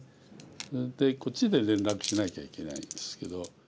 それでこっちで連絡しなきゃいけないんですけど。